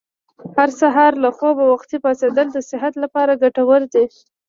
هر سهار له خوبه وختي پاڅېدل د صحت لپاره ګټور دي.